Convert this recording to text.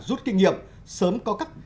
rút kinh nghiệm sớm có các